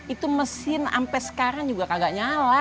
itu mesin sampai sekarang juga kagak nyala